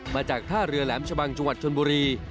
มาจากท่าเรือแหลมชะบังจังหวัดชนบุรี